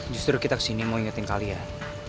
justru kita kesini mau ingetin kalian